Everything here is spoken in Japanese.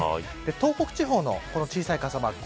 東北地方の小さい傘マーク